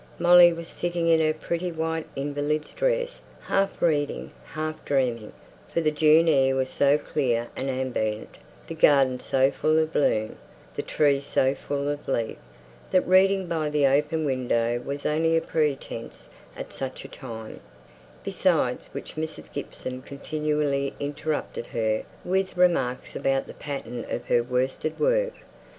Molly was sitting in her pretty white invalid's dress, half reading, half dreaming, for the June air was so clear and ambient, the garden so full of bloom, the trees so full of leaf, that reading by the open window was only a pretence at such a time; besides which, Mrs. Gibson continually interrupted her with remarks about the pattern of her worsted work.